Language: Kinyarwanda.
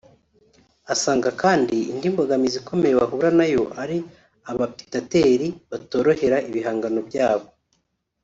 Asanga kandi indi mbogamizi ikomeye bahura nayo ari abapitateri batorohera ibihangano byabo